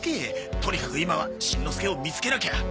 とにかく今はしんのすけを見つけなきゃ！